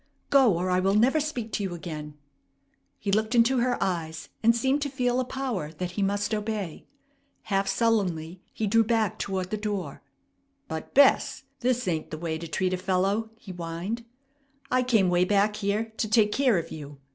Go! or I will never speak to you again." He looked into her eyes, and seemed to feel a power that he must obey. Half sullenly he drew back toward the door. "But, Bess, this ain't the way to treat a fellow," he whined. "I came way back here to take care of you.